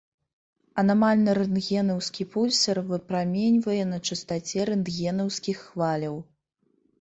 Анамальны рэнтгенаўскі пульсар выпраменьвае на частаце рэнтгенаўскіх хваляў.